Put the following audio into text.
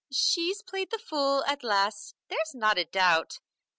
She's played the fool at last, there's not a doubt.